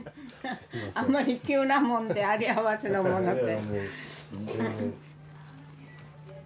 あんまり急なもんであり合わせなもので。